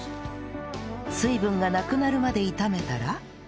水分がなくなるまで炒めたら